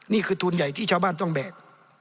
นี่คือทุนใหญ่ที่ชาวบ้านต้องแบก